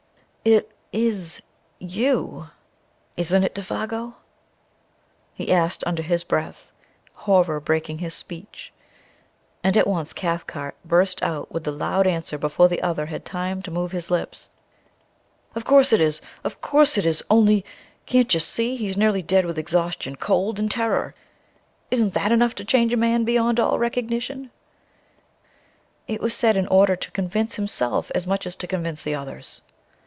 "It is YOU, isn't it, Défago?" he asked under his breath, horror breaking his speech. And at once Cathcart burst out with the loud answer before the other had time to move his lips. "Of course it is! Of course it is! Only can't you see he's nearly dead with exhaustion, cold and terror! Isn't that enough to change a man beyond all recognition?" It was said in order to convince himself as much as to convince the others.